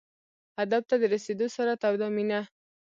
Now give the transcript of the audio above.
هدف ته د رسېدو سره توده مینه.